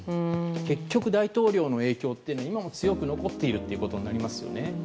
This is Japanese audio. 結局、大統領の影響は、今も強く残っていることになりますよね。